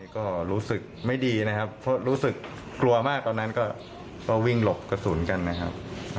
ก็รู้สึกไม่ดีนะครับเพราะรู้สึกกลัวมากตอนนั้นก็วิ่งหลบกระสุนกันนะครับ